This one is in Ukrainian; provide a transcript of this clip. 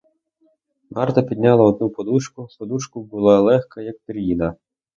Марта підняла одну подушку; подушка була легка, як пір'їна!